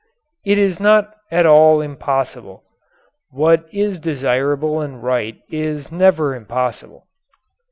It is not at all impossible. What is desirable and right is never impossible.